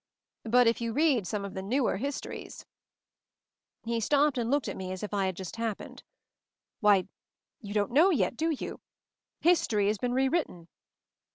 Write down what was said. But if you read some of the newer histories " he stopped and looked at me as if I had just happened. "Why you don't know yet, do you? History has been rewritten."